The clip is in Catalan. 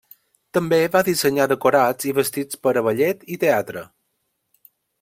També va dissenyar decorats i vestits per a ballet i teatre.